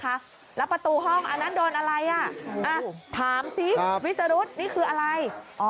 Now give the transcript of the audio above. แล้วประตูห้องอันนั้นโดนอะไรอ่ะถามสิวิสรุธนี่คืออะไร